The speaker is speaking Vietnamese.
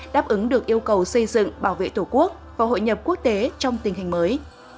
đáp ứng được yêu cầu xây dựng bảo vệ tổ quốc và hội nhập quốc tế trong tình hình mới